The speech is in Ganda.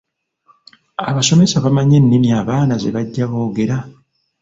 Abasomesa bamanyi ennimi abaana ze bajja boogera?